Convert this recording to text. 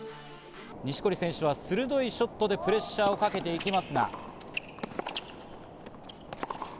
錦織選手は鋭いショットでプレッシャーをかけていきますが。